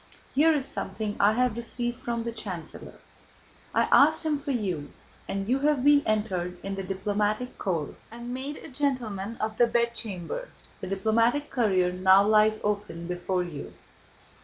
Here is something I have received from the chancellor. I asked him for you, and you have been entered in the diplomatic corps and made a Gentleman of the Bedchamber. The diplomatic career now lies open before you."